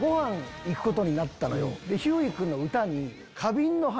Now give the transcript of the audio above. ひゅーい君の歌に。